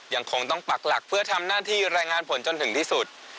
ยังคงต้องปักหลักเพื่อทำหน้าที่รายงานผลจนถึงที่สุด